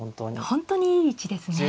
本当にいい位置ですね。